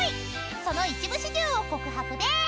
［その一部始終を告白でーす］